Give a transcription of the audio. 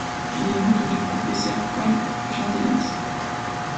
Il est l'oncle du professeur Paul Jeandelize.